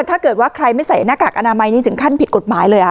ถ้าเกิดว่าใครไม่ใส่หน้ากากอนามัยนี้ถึงขั้นผิดกฎหมายเลย